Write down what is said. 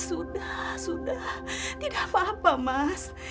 sudah sudah tidak apa apa mas